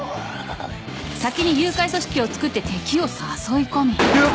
先に誘拐組織をつくって敵を誘い込み。